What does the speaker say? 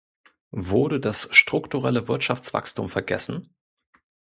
Wurde das strukturelle Wirtschaftswachstum vergessen?